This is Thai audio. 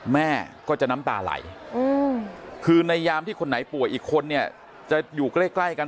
แม่ก็จะน้ำตาไหลคือในยามที่คนไหนป่วยอีกคนเนี่ยจะอยู่ใกล้กัน